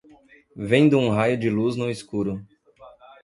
Vendo um raio de luz no escuro